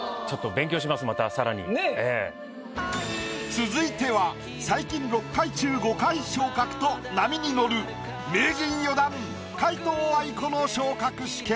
続いては最近６回中５回昇格と波に乗る名人４段皆藤愛子の昇格試験。